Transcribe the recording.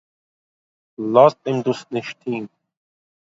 לאזט אים דאס נישט טון